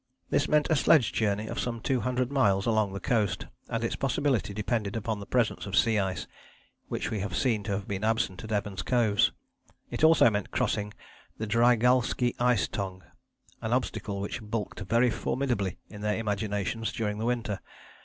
This meant a sledge journey of some two hundred miles along the coast, and its possibility depended upon the presence of sea ice, which we have seen to have been absent at Evans Coves. It also meant crossing the Drygalski Ice Tongue, an obstacle which bulked very formidably in their imaginations during the winter.